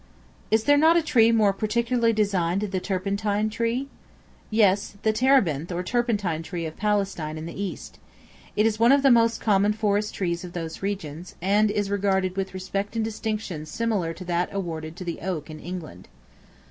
Is there not a tree more particularly designated the Turpentine Tree? Yes, the Terebinth or Turpentine Tree of Palestine and the East. It is one of the most common forest trees of those regions, and is regarded with respect and distinction similar to that awarded to the oak in England.